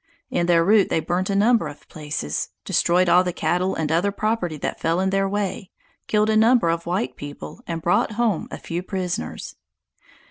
In their route they burnt a number of places; destroyed all the cattle and other property that fell in their way; killed a number of white people, and brought home a few prisoners.